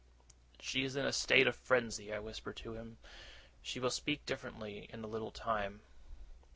'She is in a state of frenzy,' I whispered to him. 'She will speak differently in a little time.